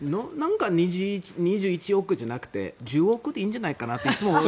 ２１億円じゃなくて１０億でいいんじゃないかなと思います。